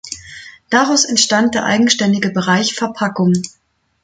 Daraus entstand der eigenständige Bereich Verpackung.